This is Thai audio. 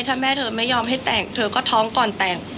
ถ้าแม่เธอไม่ยอมให้แต่งเธอก็ท้องก่อนแต่ง